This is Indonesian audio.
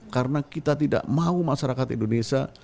karena kita tidak mau masyarakat indonesia